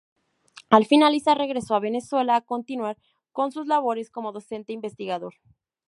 Al finalizar, regresó a Venezuela a continuar con sus labores como docente investigador.